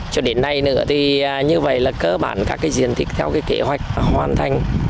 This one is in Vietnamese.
cho đến nay nữa như vậy là cơ bản các diện tích theo kế hoạch hoàn thành